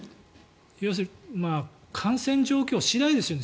要するに感染状況次第ですよね。